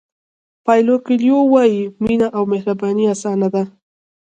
پایلو کویلو وایي مینه او مهرباني اسانه ده.